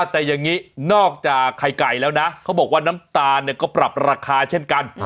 แต่อย่างนี้นอกจากไข่ไก่แล้วนะเขาบอกว่าน้ำตาลก็ปรับราคาเช่นกัน